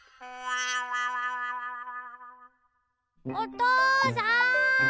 おとうさん！